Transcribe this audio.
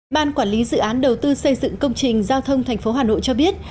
ban quản lý dự án đầu tư xây dựng công trình giao thông thành phố hà nội cho biết